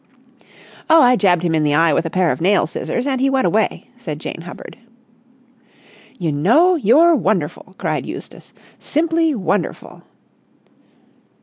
"Oh, I jabbed him in the eye with a pair of nail scissors, and he went away!" said Jane Hubbard. "You know, you're wonderful!" cried Eustace. "Simply wonderful!"